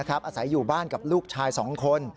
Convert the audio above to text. อาศัยอยู่บ้านกับลูกชาย๒คน